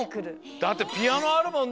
だってピアノあるもんね。